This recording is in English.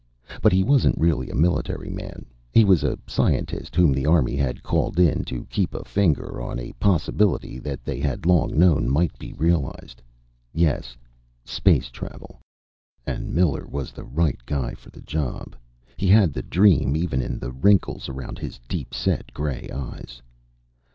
But he wasn't really a military man; he was a scientist whom the Army had called in to keep a finger on a possibility that they had long known might be realized. Yes space travel. And Miller was the right guy for the job. He had the dream even in the wrinkles around his deep set gray eyes.